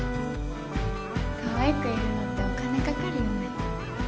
かわいくいるのってお金かかるよね。